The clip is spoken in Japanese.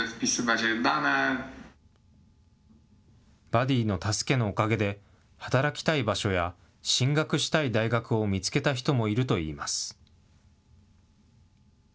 バディーの助けのおかげで、働きたい場所や進学したい大学を見つけた人もいるといいます。